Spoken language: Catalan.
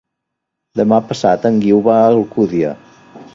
Demà passat en Guiu va a Alcúdia.